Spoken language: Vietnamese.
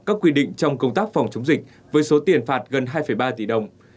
các quy định trong công tác phòng chống dịch với số tiền phạt gần hai ba tỷ đồng